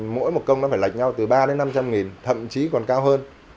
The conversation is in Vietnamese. mỗi một công nó phải lạch nhau từ ba đến năm trăm linh nghìn thậm chí còn cao hơn